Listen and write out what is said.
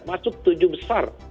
masuk tujuh besar